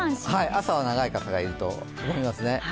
朝は長い傘がいいと思いますね。